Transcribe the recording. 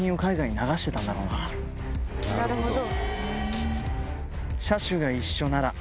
なるほど。